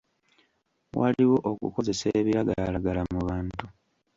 Waliwo okukozesa ebiragalalagala mu bantu.